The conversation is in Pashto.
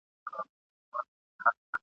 زه خالق د هري میني، ملکه د هر داستان یم ..